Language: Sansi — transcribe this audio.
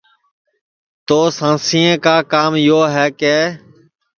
تو سانسیں کا کام یو ہے کہ